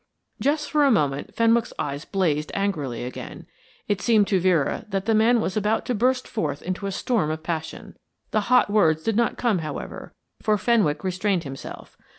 Just for a moment Fenwick's eyes blazed angrily again. It seemed to Vera that the man was about to burst forth into a storm of passion. The hot words did not come, however, for Fenwick restrained himself.